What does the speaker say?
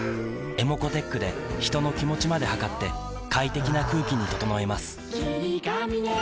ｅｍｏｃｏーｔｅｃｈで人の気持ちまで測って快適な空気に整えます